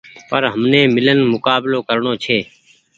پر همني ميلين مڪبلو ڪرڻو ڇي